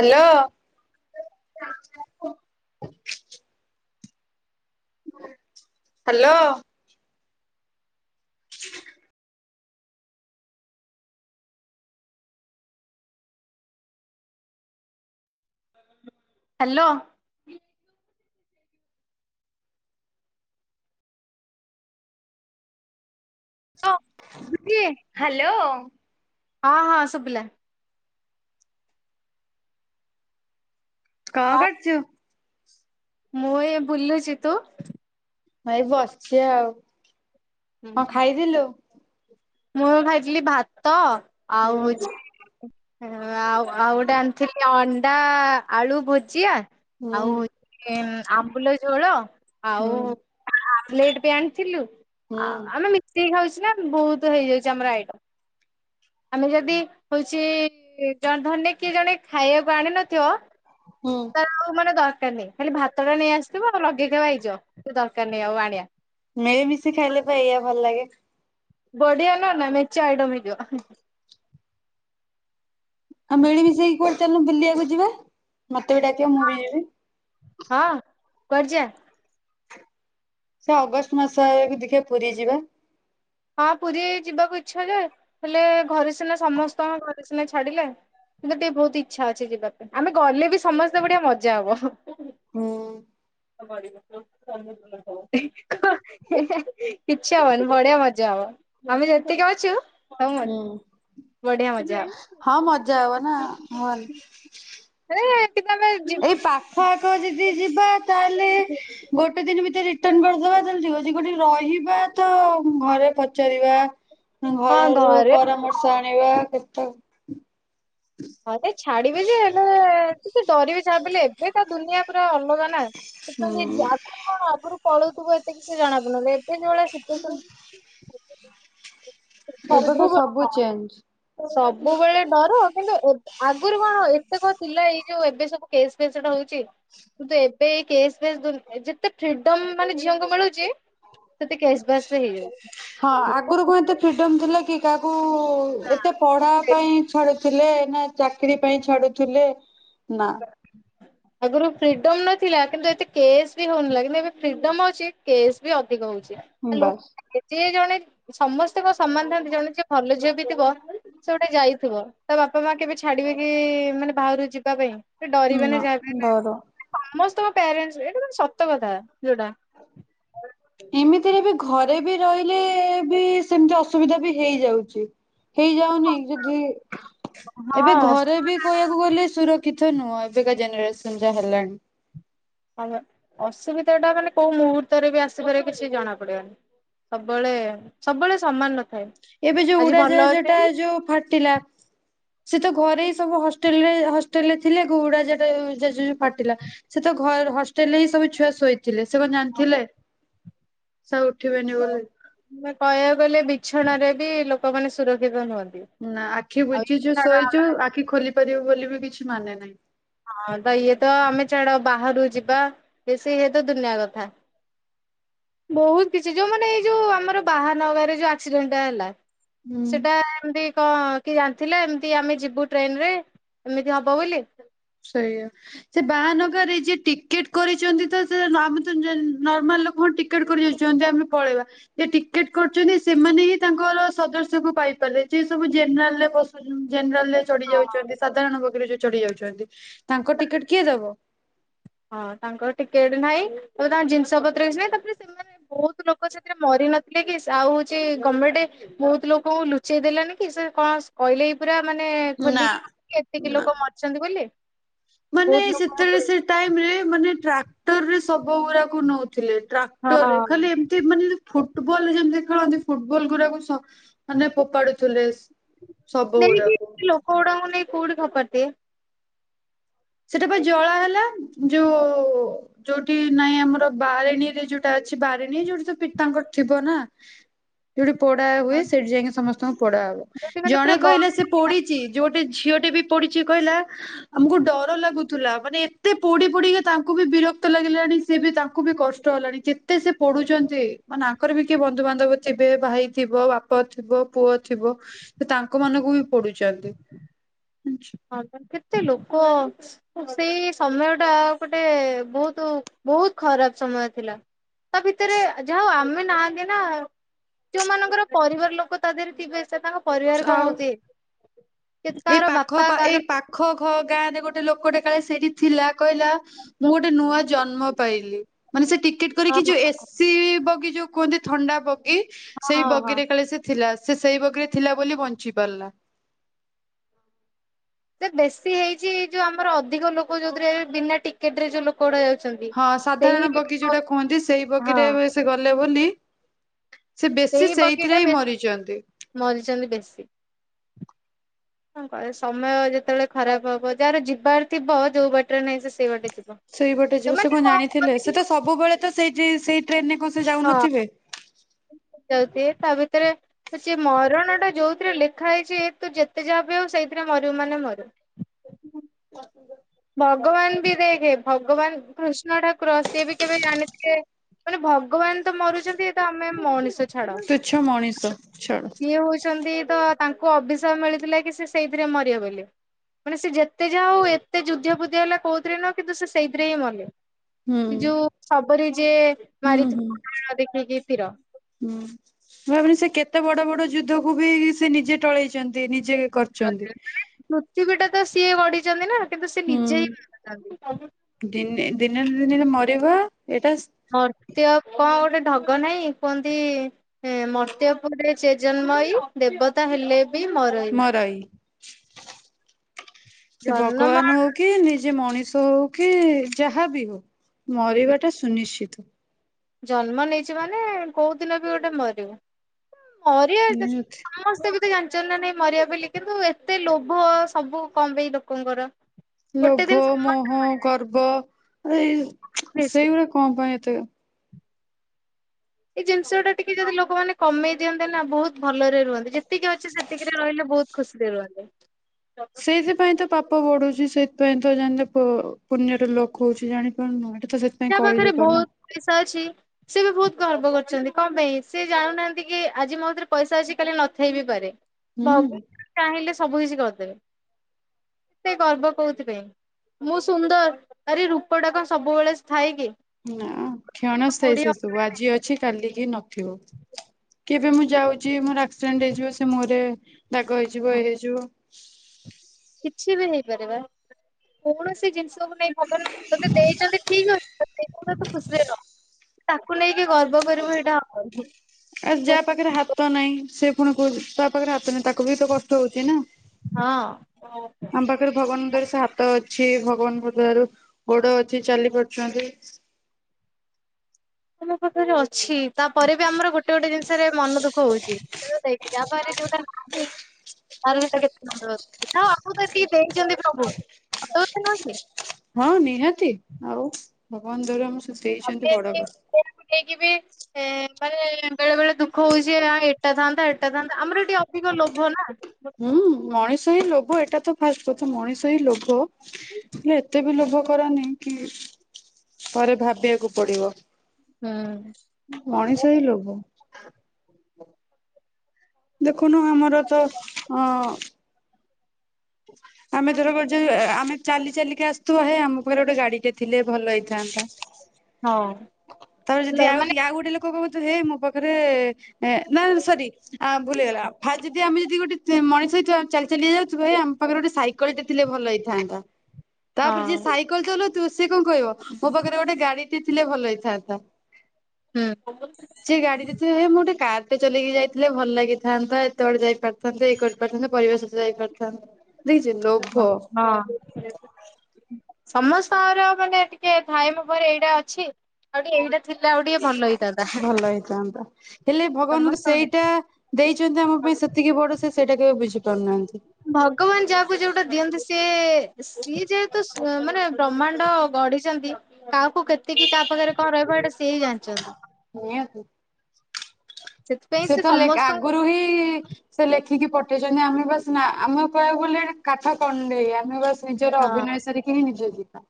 Hello. Hello. [unintelligible] Hello. ହଁ hello. ହଁ ହଁ ଶୁବିଲା। କଁ କରୁଚୁ? ମୁଁ ଏ ବୁଲୁଚି, ତୁ? ମାଇ ବସିଳଚି ଆଉ। ହୁଁ କଣ ହୁଁ ଖାଇଥିଲୁ? ମୁଁ ଖାଇଥିଲି ଭାତ ଆଉ ହୁଁ। ହଉଛି ଆଉ ଆଉ ଗୋଟେ ଆଣିଥିଲି ଅଣ୍ଡା ଆଳୁ ଭୁଜିଆ ହୁଁ ଆଉ ଟିକିଏ ଆମ୍ବୁଲ ଝୋଳ ଆଉ ହୁଁ ଆମ୍ଲେଟ୍ ବି ଆଣିଥିଲୁ ହୁଁ ଆମେ ମିଶେଇି ଖାଉଛ ନା ବହୁତ ହେଇଯାଉଛି ଆମର ଆଇଟମ୍ ଆମେ ଯଦି ହଉଛି ଜଣେ ଧନେ କିଏ ଜଣେ ଖାଇବାକୁ ଆଣିିନଥିବ ହୁଁ। ଆଉ ମାନେ ଦରକାର ନାହିଁ ଖାଲି ଭାତ ଟା ନେଇ ଆସିଥିବ ଆ ଲଗେଇଥବା ହେଇଯ କି ଦରକାର ନାହିଁ ଆଉ ଆଣିବା ମିଳିମିଶି ଖାଇଲେ ପାଇଁ ଏଇଆ ଭଲ ଲାଗେ। ବଡିଆ ନା ନାହିଁ ମେଚ ଆଇଟମ୍ ହେଈଯିବ ଆଉ ମିଳି ମିିଶେଇକି କୁ ଚାଲିଲୁ ବୁଲିବାକୁ ଯିବା ମତେ ବି ଡାକିବ ମୁଁ ବି ଯିବି ହଁ କୁଆଡେ ଯିବା ସେ ଅଗଷ୍ଟ ମାସ ଆଡକୁ ଦେଖିବା ପୁରୀ ଯିବା ହଁ ପୁରୀ ଯିବାକୁ ଇଛା ଯେ ହେଲେ ଘରେ ସିନା ସମସ୍ତଙ୍କ ଘରେ ସିନା ଛାଡ଼ିଲେ କିନ୍ତୁ ଟିକେ ବହୁତ ଇଚ୍ଛା ଅଛି ଯିବା ପାଇଁ ଆମେ ଗଲେ ବି ସମସ୍ତେ ବଢିଆ ମଜା ହବ ହୁଁ। ହେ ହେ କିଛି ହବନି ବଢିଆ ବା ମଜା ହବ ଆମେ ଯେତିକି ଅଛୁ ସବୁ ହୁଁ ମରିବୁ ବଢିଆ ମଜା ହବ। ହଁ ମଜା ହବ ନା ମର୍। ରେ ଏଠି ତମେ। ଏଇ ପାଖ ଆଖ ଯଦି ଯିବା ତାହେଲେ ଗୋଟେ ଦିନ ଭିତରେ ରିଟର୍ନ କରିଦବା ତାହେଲେ ଠିକ୍ ଅଛି। ଗୋଠି ଯଦି ରହିବା ତ ଘରେ ପଚାରିବା ହଁ ଘରରୁ ଘରେ ପରାମର୍ଶ ଆଣିବା କେତେ ହଁ ଯେ ଛାଡିବେ ଯେ ଏବେ ଟିକେ ଡରିବି ଯାହାବିହେଲେ ଏବେ ତ ଦୁନିଆ ପୁରା ଅଲଗା ନା। ହୁଁ ଆଗରୁ କଣ ଆଗରୁ ପଳଉଥିବ ଏତେ କିଛି ଜଣା ପଡୁନଥୀଲା ଏବେ ଯୋଉ ଭଳିଆ ସିଚୁସନ୍? [unintelligible] ଏବେ ତ ସବୁ ଚେଞ୍ଜ ସବୁବେଳେ ଡର କିନ୍ତୁ ଆଗରୁ କଣ ଏତେ କଣ ଥିଲା ଏଇ ଯୋଉ ଏବେ ସବୁ କେସ୍ ଫେସ୍ ସେଇଟା ହଉଛି। କିନ୍ତୁ ଏବେ କେସ୍ ଫେସ୍ ଦୁ ଯେତେ ଫ୍ରିଡମ ମାନେ ଝିଅଙ୍କୁ ମିଳୁଛି ସେତେ କେସ୍ ବାସ୍ ବି ହେଇଜାଉଛି। ହଁ ଆଗରୁ କଣ ଏତେ ଫ୍ରିଡମ ଥିଲା କି କାହାକୁ ହେଇଯାଉଛି। ଏତେ ପଢ଼ା ପାଇଁ ଛାଡି ଥିଲେ ନାଇଁ ଚାକିରୀ ପାଇଁ ଛାଡୁଥିଲେ ନା [unintelligible] ଆଗରୁ ଫ୍ରିଡମ ନଥିଲା କିନ୍ତୁ ଏତେ କେସ୍ ବି ହଉନଲା କିନ୍ତୁ ଏବେ ଫିଡମ ଅଛି କେସ୍ ବି ଅଧିକ ହଉଛି। ଆଲୋ ବାସ୍ ଯିଏ ଜଣେ ସମସ୍ତେ କଣ ସମାନ ଥାନ୍ତି ଜଣେ ଯିଏ ଭଲ ଝିଅ ବି ଥିବ ସେ ଗୋଟେ ଯାଇଥିବ ତା ବାପା ମା କେବେ ଛାଡିବେ କି ମାନେ ବାହାରୁ ଯିବା ପାଇଁ ଡରିବେ ନା ଯାହାବି ହେଲେ ସମସ୍ତଙ୍କ ପ୍ୟାରେଣ୍ଟ ଏଇଟା ଗୋଟେ ସତ କଥା ଯୋଉଟା। [inaudible] ଏମିତିରେ ବି ଘରେ ବି ରହିଲେ ବି ସେମିତି ଅସୁବିଧା ବି ହେଇଯାଉଛି। ହେଇଯାଉନି ଯଜି ହଁ ଏବେ ଘରେ ବି କହିବାକୁ ଅସୁବିଧା ଗଲେ ସୁରକ୍ଷିତ ନୁହଁ ଏବେକା ଜେନେରେସନ ଯା ହେଲାଣି। ହ ଅସୁବିଧା ଟା ମାନେ କୋଉ ମୁହୂର୍ତ୍ତରେ ବି ଆସିିପାର କିଛି ଜଣା ପଡିବନି ସବୁବେଳେ ସବୁବେଳେ ସମାନ୍ ନ ଥାଏ ଏବେ ଯୋଉ ଉଡାଜାହାଜ ଟା ଯୋଉ ଫାଟିଲା ସେ ତ ଘରେ ହି ସବୁ ହଷ୍ଟେଲରେ ହଷ୍ଟେଲ ରେ ଥିଲେ ଗୁଡା ଜାହାଜ ଜା ଫାଟିଲା ସେ ତ ଘ ହଷ୍ଟେଲ ରେ ସବୁ ଛୁଆ ଶୋଇ ଥିଲେ ସେ କଣ ଜାଣିଥିଲେ ସେ ଆଉ ଉଠିବେନି ବୋଲି। ଆମେ କହିବାକୁ ଗଲେ ବିଛଣାରେ ବି ଲୋକମାନେ ସୁରକ୍ଷିତ ନୁହନ୍ତି। ନା ଆଖି ଆଉ ବୁଜିଛୁ ଛାଡ ଶୋଇଛୁ ଆମେ ଆଖି ଖୋଲି ପାରିବୁ ବୋଲି ବି କିଛି ମାନେ ନାହିଁ। ହଁ ତ ଇଏ ତ ଆମେ ଛାଡ ବାହାରୁ ଯିବା ବେଶୀ ଇଏ ତ ଦୁନିଆ କଥା। ବହୁତ କିଛି ଯୋଉ ମାନେ ଏଇ ଯୋଉ ଆମର ବାହାନଗାରେ ଯଉ ଆକ୍ସିଡେଣ୍ଟଟା ହେଲା। ହୁଁ। ସେଟା ଏମିତି କଣ କି ଜାଣିଥିଲେ ଏମିତି ଆମେ ଯିବୁ ଟ୍ରେନ୍ ରେ ଏମିତି ହବ ବୋଲି। ସେଇଆ। ସେ ବାହାନଗାରେ ରେ ଯିଏ ଟିକେଟ କରିଛନ୍ତି ତ ସେ ନ ଆମେ ତ ଜା ନର୍ମାଲ ଲୋକଙ୍କ ଟିକେ ଟିକେଟ୍ କରି ଯାଉଛନ୍ତି ଆମେ ପଳେଇବା। ଯେ ଟିକେଟ କରୁଛନ୍ତି ସେମାନେ ହିଁ ତାଙ୍କର ସଦସ୍ୟକୁ ପାଇପାରିଲେ ଯେ ସବୁ ଜେନେରାଲ ରେ ବସି ଜେନେରାଲ ରେ ଚଢି ଯାଉଛନ୍ତି ସାଧାରଣ ବଗିରେ ଯୋଉ ଚଢି ଯାଉଛନ୍ତି ତାଙ୍କ ଟିକେଟ କିଏ ଦବ? ହଁ ତାଙ୍କର ଟିକେଟ୍ ନାହିଁ ତ ତାଙ୍କ ଜିନିଷ ପତ୍ର କିଛି ନାହିଁ। ତାପରେ ସେମାନେ ବହୁତ ଲୋକ ସେଥିରେ ମରି ନଥିଲେ କି ଆଉ ହଉଛି ଗମେଣ୍ଟ୍ ବହୁତ ଲୋକଙ୍କୁ ଲୁଚେଇ ଦେଲାନି କି ସେ କଣ କହିଲେ ଏ ପୁରା ମାନେ ନା। ଖୋଲିକି କହିଲେ ଏତିକି ନା ଲୋକ ମରିଛନ୍ତି ବୋଲି। ମାନେ ବହୁତ ଲୋକ ସେତେବେଳେ ସେ ସେ ଟ୍ରାକ୍ଟର ରେ ସବ ଗୁଡାକୁ ନଉଥିଲେ ଟ୍ରାକ୍ଟର ରେ ଖାଲି ହଁ। ଏମ୍ ଏମିତି ମାନେ ଜେନ୍ନ୍ତି ଫୁଟବଲରେ ଯେମିତି ଖେଳନ୍ତି ଫୁଟବଲ ଗୁଡାକୁ ସ ମାନେ ଫୋପାଡୁ ଥିଲେ ସେ। ନେଇକି ଲୋକ ଗୁଡାଙ୍କୁ ନେଇ କୋଉଠି ଫୋପାଡ଼ିଥିବେ। ସେଟା ପା ଜଳା ହେଲା ଯୋଉ ଯୋଉଠି ନାଇଁ ଆମର ବାରିଣୀରେ ଯୋଉଟା ଅଛି ବାରିଣୀ ଯୋଉଠି ତ ପିତାଙ୍କର ଥିବ ନା। ଯୋଉଠି ପୋଡା ହୁଏ ସେଠି ଯାଇକି ସମସ୍ତଙ୍କୁ ପୋଡା ହବ। ଯୋଉଠି ମାନେ ଜଣେ ପୁରା ବଡ କହିଲେ ସେ ପୋଡ଼ିଛି ଯେ ଗୋଟେ ଝିଅଟେ ବି ପୋଡିଛି କହିଲା। ଆମକୁ ଡ ଲାଗୁଥିଲା ମାନେ ଏତେ ପୋଡି ପୋଡିକା ତାଙ୍କୁ ବି ବିରକ୍ତ ଲାଗିଲାଣି ସ ବି ତାଙ୍କୁ ବି କଷ୍ଟ ହେଲାଣି। ଏତେ ସେ ପୋଡୁଛନ୍ତି ମାନେ ଆଙ୍କର ବି କିଏ ବନ୍ଧୁବାନ୍ଧବ ଥିବେ ଭାଇ ଥିବ ବାପା ଥିବ ପୁଅ ଥିବ। ସେ ତାଙ୍କ ମାନଙ୍କୁ ବି ପୋଡୁଛନ୍ତି। ହଁ ତ କେତେ ଲୋକ। ସେଇ ସମୟଟା ଗୋଟେ ବହୁତ ବହୁତ ଖରାପ ସମୟ ଥିଲା। ତା ଭିତରେ ଯାହାଉ ଆମେ ନାହାନ୍ତି ନା ଯୋଉମାନଙ୍କର ପରିବାର ଲୋକ ତା ଦେହରେ ଥିବେ ସେ ତାଙ୍କ ପରିବାର କଣ ଆଉ ହୋଉଥିବେ। କେ ଏଇ ତାର ପାଖ ବାପା ପା ଏଇ ପାଖ ଘ ଗାଁରେ ଗୋଟେ ଗୋଟେ ଲୋକଟେ କାଳେ ସେଇଠି ଥିଲା କହିଲା ମୁଁ ଗୋଟେ ନୂଆ ଜନ୍ମ ପାଇଲି ମାନେ ସେ ଟିକେଟ ହଁ କରିକି ହଁ ଯୋଉ ଏସି ବଗି ଯୋଉ କୁହନ୍ତି ଥଣ୍ଡା ବଗି ସେଇ ହଁ ହଁ ବଗିରେ କାଳେ ସେ ଥିଲା ସେ ସେଇ ବଗିରେ ଥିଲା ବୋଲି ବଞ୍ଚି ପାରିଲା। ସେ ବେଶୀ ହେଇଛି ଯୋଉ ଆମର ଅଧିକ ଲୋକ ଯୋଉଥିରେ ଏବେ ବିନା ଟି କେଟରେ ଯୋଉ ଲୋକ ଗୁଡା ଯାଉଛନ୍ତି। ହଁ ସେଇ ସାଧାରଣ ବଗି ବ ଯୋଉଟା କୁହନ୍ତି ସେଇ ହଁ ବଗିରେ ସେ ଗଲେ ବୋଲି ସେ ସେଇ ବେଶୀ ବଗିଟା ସେଇଥିରେ ହିଁ ବେଶୀ ମରିଛନ୍ତି। ମରିଛନ୍ତି ବେଶୀ। କଣ କହିବ ସମୟ ଯେତେବେଳେ ଖରାପ ହବ, ଯାହାର ଯିବାର ଥିବ ଯୋଉ ବାଟରେ ନାହିଁ ସେ ସେଇ ବାଟରେ ଯିବ। ସେଇପଟେ ଯିବ ସେ ସେମାନେ କଣ ଜାଣିଥିଲେ? କରନ୍ତି ସେ ତ ସବୁବେଳେ ତ ସେଇ ଟେ ସେଇ ଟ୍ରେନ ରେ କଣ ସେ ହଁ ଯାଉନଥିବେ। ଯାଉଥିବେ ତା ଭିତରେ ହୋଉଛି ମରଣ ଟା ଯୋଉଥିରେ ଲେଖା ହେଇଛି ତୁ ଯେତେ ଯାହା ବି ହେଉ ସେଇଥିରେ ମରିବୁ ମାନେ ମରିଵୁ। [unintelligible] ଭଗବାନ ବି ଦେଖେ ଭଗବାନ କୃଷ୍ଣ ଠାକୁର ସିଏ ବି କେବେ ଜାଣିଥିଲେ ମାନେ ଭଗବାନ ତ ମରୁଚନ୍ତି ଏ ତ ଆମେ ମଣିଷ। ଛାଡ ତୁଚ୍ଛ ମଣିଷ ଛାଡ ସିଏ ହୋଉଚନ୍ତି ତ ତାଙ୍କୁ ଅଭିଶାପ ମିଳିଥିଲା କି ସେ ସେଇଥିରେ ମରିବେ ବୋଲି। ମାନେ ସେ ଯେତେ ଯାହା ହୋଉ ଏତେ ଯୁଦ୍ଧ ଫୁ ଯୁଦ୍ଧ ହେଲା କୋଉଥିରେ ନୁହଁ କିନ୍ତୁ ସେ ସେଇଥିରେ ହିଁ ମଲେ। ହୁଁ ଯୋଉ ଶବରି ଯିଏ ହୁଁ ମାରିଥିବ ହୁଁ। [unintelligible] ଦେଖିକି ତୀର ହୁଁ ମୁଁ ଭାବେନି ସେ କେତେ ବଡ ବଡ ଯୁଦ୍ଧକୁ ବି ସେ ନିଜେ ଟଳେଇଚନ୍ତି ନିଜେ କରିଚନ୍ତି। ପୃଥିବୀଟା ତ ସିଏ ଗଢିଛନ୍ତି ନା କିନ୍ତୁ ସେ ହୁଁ ନିଜେ ହି ମାରୁଚନ୍ତି। ଦିନେ ଦିନେ ନା ଦିନେ [unintelligible] ମରିବା ଏଇଟା ମର୍ତ୍ତ୍ୟ କଣ ଗୋଟେ ଢଗ ନାହିଁ କୁହନ୍ତି ହେ ମର୍ତ୍ତ୍ୟ ପୁରେ ସେ ଜନ୍ମଇ ଦେବତା ହେଲେ ବି ମର ମରଇ ସେ ଜନ୍ମ ଭଗବାନ ହୋଉ କି ନିଜେ ମଣିଷ ହୋଉ କି ଯାହା ବି ହୋଉ ମରିବାଟା ସୁନିଶ୍ଚିତ। ଜନ୍ମ ନେଇଚେ ମାନେ କୋଉ ଦିନ ବି ଗୋଟେ ମରିବା। ମରିିବା [unintelligible] ସମସ୍ତେ ତେ ଜାଣିଚ ନା ନାଇଁ ମରିବା ବୋଲି କିନ୍ତୁ ଏତେ ଲୋଭ ସବୁ କଂପାଇଁ ଲୋକଙ୍କର। ଗୋଟେ ଦିନ ଲୋଭ, ମୋହ, ସମସ୍ତେ ମରିବେ ଗର୍ବ ଏଇ ବୁଝିଛି। ସେଇଗୁଡା କଣ ପାଇଁ ଏତେ ଏଇ ଜିନିଷଟା ଟିକେ ଯଦି ଲୋକମାନେ କମେଇ ଦିଅନ୍ତେ ନା ବୋହୁତ ଭଲରେ ରୁହନ୍ତି। ଯେତିକି ଅଛି ସେତିକିରେ ରହିଲେ ବୋହୁତ ଖୁସିରେ ରୁହନ୍ତେ। ସେଇଥିପାଇଁ ତ ପାପ ବଢୁଚି ସେଥିପାଇଁ ତ [unintelligible] ଜାଣିଲେ ପୁ-ପୁଣ୍ୟରେ ଲୋକ ହୋଉଚି ଜାଣିପାରୁନୁଁ ଏଟା ତ ସେ ଯା ପାଖରେ ବୋହୁତ ପଇଷା ଅଛି। ସେ ବି ବୋହୁତ ଗର୍ବ କରୁଚନ୍ତି କଣ ପାଇଁ ସେ ଜାଣୁନାହାନ୍ତି କି ଆଜି ମୋ କତିରେ ପଇଷା ଅଛି କାଲି ନଥାଇ ବି ପାରେ। ହୁଁ। ଭଗବାନ ଚାହିଁଲେ ସବୁ କିଛି କରିଦେବେ। ଏତେ ଗର୍ବ କୋଉଥିପାଇଁ ମୁଁ ସୁନ୍ଦର ଆରେ ରୂପଟା କଣ ସବୁବେଳେ ଥାଏ କି। ନା କ୍ଷଣସ୍ଥାୟୀ କୋଡିଏ ସେ ସବୁ ଅଠର ନାଇଁ, ଆଜି ଅଛି କାଲିକି ନଥିବ। କେବେ ମୁଁ ଯାଉଚି ମୋର ଆକ୍ସିଡେଣ୍ଟ ହେଇଯିବ। ସେ ମୁହଁରେ ଦାଗ ହେଇଯିବ ଏଇ ହେଇଯିବ। କିଛି ବି ହେଇପାରେ ବା କୌଣସି ଜିନି ଷ କୁ ନେଇ ଭଗବାନ ତତେ ଦେଇଚନ୍ତି ଠିକ୍ ଅଛି। ତତେ [unintelligible] ଦେଇଚନ୍ତି ଯଦି ତୁ ଖୁସିରେ ରହ। ତାକୁ ନେଇକି ଗର୍ବ କରିବ ହେଇଟା ହବନି ହିଁ। ଆଉ ଯାହା ପାଖରେ ହାତ ନାହିଁ। ସେ ଫୁଣି କୋହୁଚି ତା ପାଖରେ ହାତ ନାହିଁ ତାକୁ ବି ତ କଷ୍ଟ ହୋଉଚି ନା। ହଁ। ଆମ ପାଖରେ ଭଗବାନଙ୍କ ଦୟାରୁ ସେ ହାତ ଅଛି। ଭଗବାନଙ୍କ ଦୟାରୁ ଗୋଡ ଅଛି ଚାଲି ପାରୁଚନ୍ତି। ତମ ପାଖରେ ଅଛି ତାପରେ ବି ଆମର ଗୋଟେ ଗୋଟେ ଜିନିଷରେ ମନ ଦୁଃଖ ହୋଉଚି। ସିଏ ତ ଦେଇଚି [unintelligible] ଯାହା ପାଖରେ ଯୋଉଟା ନାହିଁ [unintelligible] ହଁ ଆପଣ‌ଙ୍କୁ ଏତିକି ଦେଇଚନ୍ତି ପ୍ରଭୁ ସତ କଥା ନୁହଁ କି? ହଁ ନିହାତି ଆଉ ଭଗବାନ ଦୟାରୁ ଆମକୁ ସେ ଦେଇଚନ୍ତି ବଡ କଥା। ସେରା [unintelligible] କୁ ଦେଇକି ବି ଏଁ ମାନେ ବେଳେ ବେଳେ ଦୁଃଖ ହୋଉଚି [unintelligible] ଏଟା ଥାନ୍ତା ଏଟା ଥାନ୍ତା ଆମର ଏଠି ଅଧିକ ଲୋଭ ନା। ହୁଁ ମଣିଷ ହିଁ ଲୋଭ ଏଟା ତ ଫାଷ୍ଟ କଥା ମଣିଷ ହିଁ ଲୋଭ। ହେଲେ ଏତେ ବି ଲୋଭ କରନି କି ପରେ ଭାବିବାକୁ ପଡିବ। ହୁଁ ମଣିଷ ହିଁ ଲୋଭ ଦେଖୁନୁ ଆମର ତ ଅ ଆମେ ଧର ବଜେଇବା ଆମେ ଚାଲି ଚାଲିକି ଆସୁଥିବ ହେ ଆମ ପାଖରେ ଗୋଟେ ଗାଡିଟେ ଥିଲେ ଭଲ ହେଇଥାନ୍ତା। ହଁ। ତା ପରେ ଯଦି ଆଉ ମାନେ ଟି ଆଉ ଗୋଟେ ଲୋକ ଲୋକ କହୁଛି ହେଇ ମୋ ପାଖରେ ନା ନା ସରି ଆଁ ଭୁଲ ହେଇଗଲା ଭାଇ ଯଦି ଆମେ ଯଦି ଗୋଟେ ମଣିଷ ହେଇଥିବା ଚାଲି ଚାଲି ଯାଉଥିବା ହେ ଆମ ପାଖରେ ଗୋଟେ ସାଇକେଲଟେ ଥିଲେ ଭଲ ହେଇଥାନ୍ତା ତାପରେ ଯାଇ ହଁ ସାଇ କଲ ଚ଼ଲଉଥିବୁ ସେ କଣ କହିବ ମୋ ପାଖରେ ଗୋଟେ ଗାଡିଟିଏ ଥିଲେ ଭଲ ହେଇଥାନ୍ତା। ହୁଁ ସେ ଗାଡିରେ ଥିବେ ହେ ମୁଁ ଗୋଟେ କାରଟେ ଚଲେଇକି ଯାଇଥିଲେ ଭଲ ଲାଗିଥାନ୍ତା ଏତେ ବାଟ ଯାଇପାର ଏଇ କରିପାରଥାନ୍ତି ପରିବା ସବୁ ଯାଇପାରିଥାନ୍ତା। [unintelligible] ହଁ ହଁ ସମସ୍ତଙ୍କର ମାନେ ଟିକେ ଥାଏ ମୋ ପାଖରେ ଏଇଟା ଅଛି ଆଉ ଟିକେ ଏଇଟା ଥିଲା ଆଉ ଟିକେ ଭଲ ହେଇଥାନ୍ତା ଭଲ ହେଇଥାନ୍ତା ହେଲେ ଭଗବାନଙ୍କୁ ସମସ୍ତଙ୍କର ସେଇଟା ଦେଇଛନ୍ତି ଆମ ପାଇଁ ସେତିକି ବଡ ସେ ସେଇଟା କେବେ ବୁଝିପାରୁନାହାନ୍ତି। ଭଗବାନ ଯାହାକୁ ଯୋଉଟା ଦିଅନ୍ତି ସିଏ ସିଏ ଯେହେତୁ ମାନେ ବ୍ରହ୍ମାଣ୍ଡ ଗଢିଛନ୍ତି କାହାକୁ କେତିକି କାହା ପାଖରେ କଣ ରହିବ ଏଇଟା ସିଏ ହି ଜାଣିଛନ୍ତି। ନିହାତି ସେ ସେ କ ଲେ ସମସ୍ତଙ୍କୁ ଆଗରୁ ହିଁ ସେ ଲେଖିକି ପଠେଇଛନ୍ତି ଆମେ ବାସ ନା ଆମେ କହିବାକୁ ଗଲେ କାଠ କଣ୍ଡେଇ ଆମେ ବାସ୍ ନିଜର ହଁ ଅଭିନୟ ସାରିକି ହିଁ ନିଜେ ଯିବା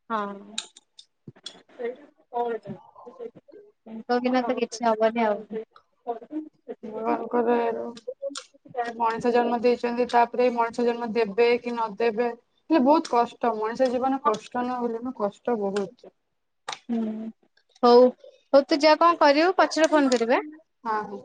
ହଁ [unintelligible] ତାଙ୍କ ବିିନା ତ କିଛି ହବନି ଆଉ [unintelligible] ମଣିଷ ଜନ୍ମ ଦେଇଛନ୍ତି ତାପରେ ମଣିଷ ଜନ୍ମ ଦେବେ କି ନଦେବେ ହେଲେ ବହୁତ କଷ୍ଟ ମଣିଷ ଜୀବନ କଷ୍ଟ ନହେଲେ ବି କଷ୍ଟ ବହୁତ ହୁଁ ହଉ ହଉ ତୁ ଯାହା କଣ କରିବୁ ପଛରେ ଫୋନ୍ କରିବୁ ଆ ହଁ ହଉ।